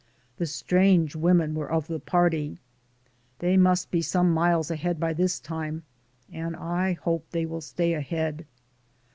The strange women were of the party ; they must be some miles ahead by this time, and I hope they will stay ahead.